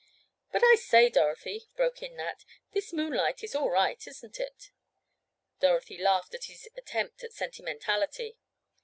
"But I say, Dorothy," broke in Nat. "This moonlight is all right, isn't it?" Dorothy laughed at his attempt at sentimentality.